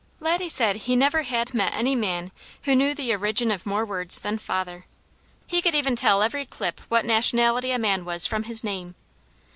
Laddie said he never had met any man who knew the origin of more words than father. He could even tell every clip what nationality a man was from his name.